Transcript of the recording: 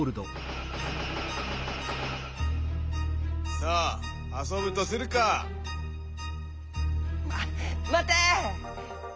さああそぶとするか。ままて！